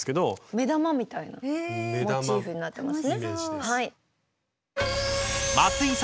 目玉みたいなモチーフになってますね。